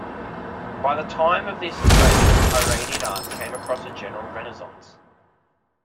By the time of the Sasanians, Iranian art came across a general renaissance.